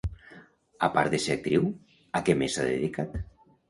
A part de ser actriu, a què més s'ha dedicat?